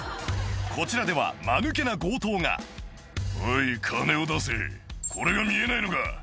こちらではマヌケな強盗が「おい金を出せこれが見えないのか」